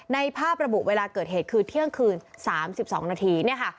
ในภาพระบุเวลาเกิดเหตุคือเที่ยงคืน๓๒นาทีเนี่ยค่ะ